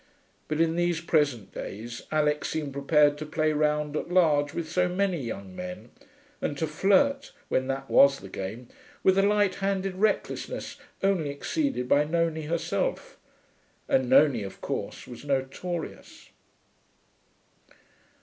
But in these present days Alix seemed prepared to play round at large with so many young men, and to flirt, when that was the game, with a light handed recklessness only exceeded by Nonie herself; and Nonie, of course, was notorious.